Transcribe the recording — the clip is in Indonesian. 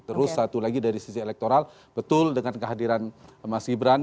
terus satu lagi dari sisi elektoral betul dengan kehadiran mas gibran